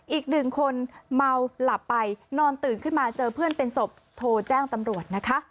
อีกหนึ่งคนเมาหลับไปนอนตื่นขึ้นมาเจอเพื่อนเป็นศพโทรแจ้งตำรวจนะคะ